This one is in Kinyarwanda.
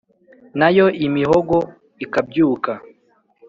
na yo imihogo ikabyuka.